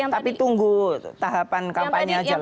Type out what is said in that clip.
tapi tunggu tahapan kampanye aja